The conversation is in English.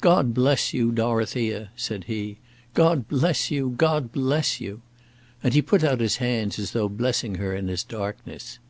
"God bless you, Dorothea!" said he. "God bless you! God bless you!" And he put out his hands as though blessing her in his darkness.